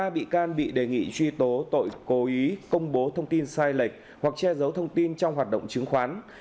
một mươi bị can bị đề nghị truy tố tội cố ý công bố thông tin sai lệch hoặc che giấu thông tin trong hoạt động chứng khoán